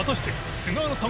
菅原さん）